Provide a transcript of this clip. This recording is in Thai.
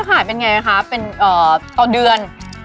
ยอดขายเป็นยังไงนะคะเป็นต่อเดือน